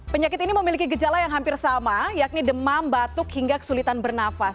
penyakit ini memiliki gejala yang hampir sama yakni demam batuk hingga kesulitan bernafas